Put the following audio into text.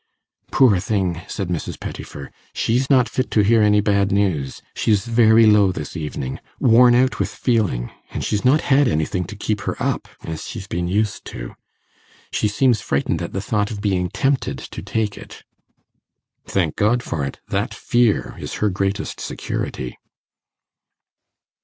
'Poor thing!' said Mrs. Pettifer. 'She's not fit to hear any bad news; she's very low this evening worn out with feeling; and she's not had anything to keep her up, as she's been used to. She seems frightened at the thought of being tempted to take it.' 'Thank God for it; that fear is her greatest security.